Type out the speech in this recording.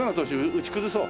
打ち崩そう。